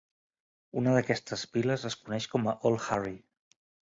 Una d'aquestes piles es coneix com a Old Harry.